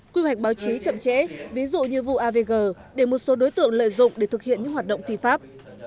quy hoạch báo chí chậm trễ ví dụ như vụ avg để một số đối tượng lợi dụng để thực hiện những hoạt động phi pháp